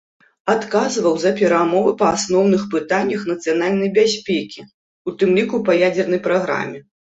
Адказваў за перамовы па асноўных пытаннях нацыянальнай бяспекі, у тым ліку па ядзернай праграме.